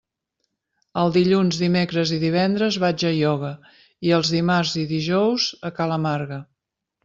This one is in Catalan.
Els dilluns, dimecres i divendres vaig a ioga i els dimarts i dijous a ca la Marga.